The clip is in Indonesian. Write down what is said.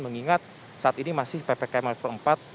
mengingat saat ini masih ppkm level empat